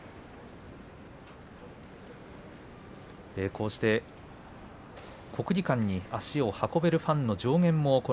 こうして国技館に足を運べるファンも。